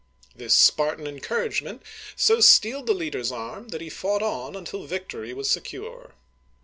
" This Spar tan encouragement so steeled the leader's arm, that he fought on until victory was secure.